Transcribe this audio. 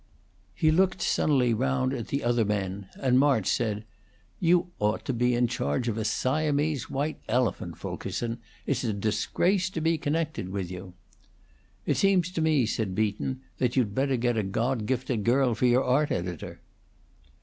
He looked sunnily round at the other men, and March said: "You ought to be in charge of a Siamese white elephant, Fulkerson. It's a disgrace to be connected with you." "It seems to me," said Beaton, "that you'd better get a God gifted girl for your art editor."